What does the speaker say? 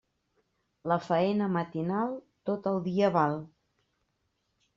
La faena matinal, tot el dia val.